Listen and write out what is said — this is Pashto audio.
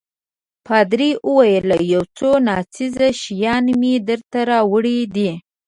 پادري وویل: یو څو ناڅېزه شیان مې درته راوړي دي.